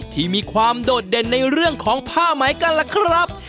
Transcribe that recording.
ที่มีความโดดเด่นในเรื่องของผ้าไหมกันล่ะครับ